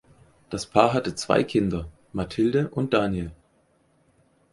Das Paar hatte zwei Kinder: Mathilde und Daniel.